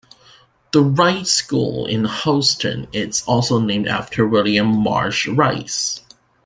The Rice School in Houston is also named after William Marsh Rice.